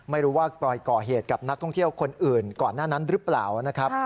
ไม่รู้ว่าปล่อยก่อเหตุกับนักท่องเที่ยวคนอื่นก่อนหน้านั้นหรือเปล่านะครับ